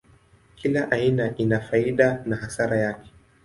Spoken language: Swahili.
Kila aina ina faida na hasara yake.